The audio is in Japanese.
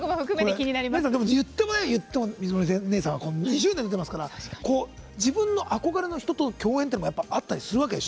水森姉さん、２０年出てますから自分の憧れの人との共演っていうのもあったりするわけでしょ？